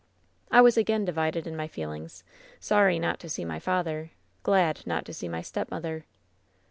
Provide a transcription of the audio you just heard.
"I was again divided in my feelings — sorry not to see my father, glad not to see my stepmother.